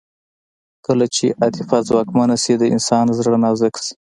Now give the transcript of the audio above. کله چې عاطفه ځواکمنه شي د انسان زړه نازک شي